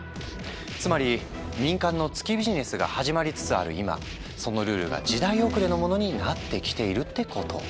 つまり民間の月ビジネスが始まりつつある今そのルールが時代遅れのものになってきているってこと。